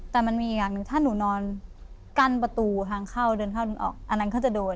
แต่มันมีอีกอย่างหนึ่งถ้าหนูนอนกั้นประตูทางเข้าเดินเข้าเดินออกอันนั้นเขาจะโดน